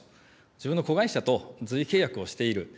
自分の子会社と随意契約をしている。